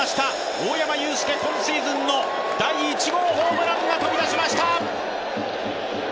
大山悠輔、今シーズン第１号のホームランが出ました。